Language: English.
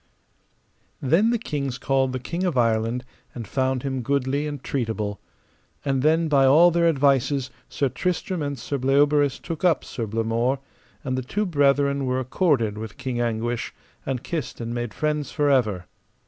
Then the kings called the King of Ireland, and found him goodly and treatable. And then, by all their advices, Sir Tristram and Sir Bleoberis took up Sir Blamore, and the two brethren were accorded with King Anguish, and kissed and made friends for ever.